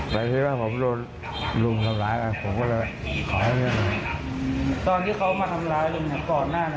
แต่ถ้าผมยังโรงทำร้ายกับผมก็เลยขอให้เรียก